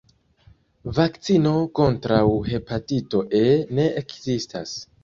Vakcino kontraŭ hepatito E ne ekzistas.